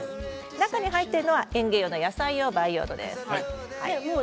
中に入っているのは園芸用の野菜用の培養土です。